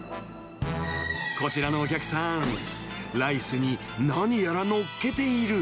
こちらのお客さん、ライスに何やらのっけている。